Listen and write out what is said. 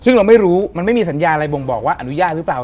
ซึ่งเราไม่รู้มันไม่มีสัญญาอะไรบ่งบอกว่าอนุญาตหรือเปล่า